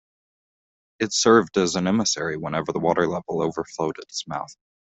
It served as an emissary whenever the water level overflowed its mouth.